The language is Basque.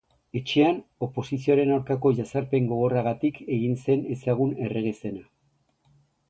Etxean, oposizioaren aurkako jazarpen gogorragatik egin zen ezagun errege zena.